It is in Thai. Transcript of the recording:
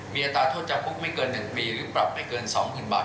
มีอัตราโทษจำคุกไม่เกิน๑ปีหรือปรับไม่เกิน๒๐๐๐บาท